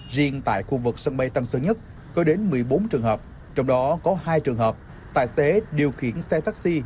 riêng tại khu vực sân bay tân sơn nhất có đến một mươi bốn trường hợp trong đó có hai trường hợp tài xế điều khiển xe taxi